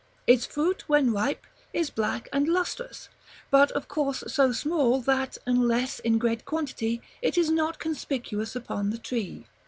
Its fruit, when ripe, is black and lustrous; but of course so small, that, unless in great quantity, it is not conspicuous upon the tree.